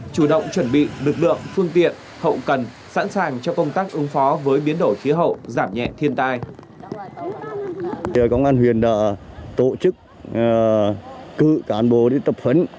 chủ động chuẩn bị lực lượng phương tiện hậu cần sẵn sàng cho công tác ứng phó với biến đổi khí hậu giảm nhẹ thiên tai